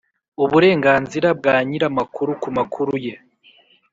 uburenganzira bwa nyir amakuru ku makuru ye.